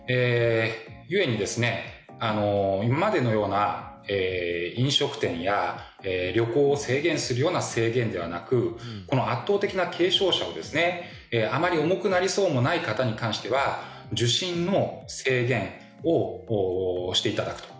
故に、今までのような飲食店や旅行を制限するような制限ではなくこの圧倒的な軽症者をあまり重くなりそうもない方に関しては受診の制限をしていただくと。